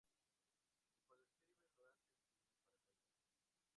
Y cuando escribe lo hace sin paracaídas.